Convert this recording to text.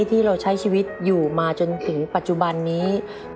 ที่เราใช้ชีวิตอยู่มาจนถึงปัจจุบันนี้